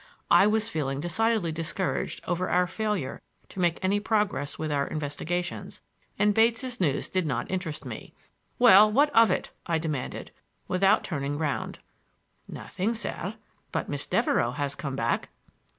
I was feeling decidedly discouraged over our failure to make any progress with our investigations, and Bates' news did not interest me. "Well, what of it?" I demanded, without turning round. "Nothing, sir; but Miss Devereux has come back!"